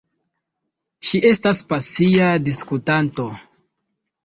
Ŝi estas pasia diskutanto.